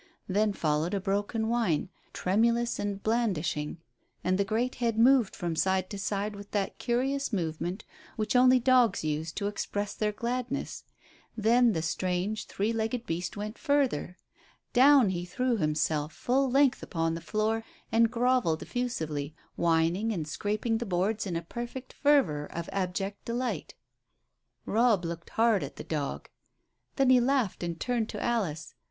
Then followed a broken whine, tremulous and blandishing, and the great head moved from side to side with that curious movement which only dogs use to express their gladness. Then the strange, three legged beast went further. Down he threw himself full length upon the floor and grovelled effusively, whining and scraping the boards in a perfect fervour of abject delight. Robb looked hard at the dog. Then he laughed and turned to Alice.